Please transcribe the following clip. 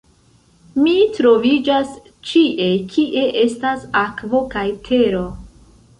"Mi troviĝas ĉie kie estas akvo kaj tero."